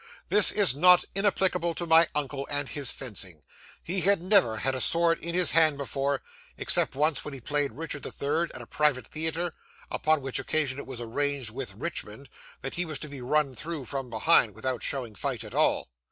This is not inapplicable to my uncle and his fencing. He had never had a sword in his hand before, except once when he played Richard the Third at a private theatre, upon which occasion it was arranged with Richmond that he was to be run through, from behind, without showing fight at all.